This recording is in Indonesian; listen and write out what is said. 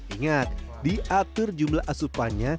ingat diatur jumlah asupannya